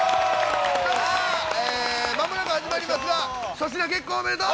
まもなく始まりますが、粗品、結婚おめでとう。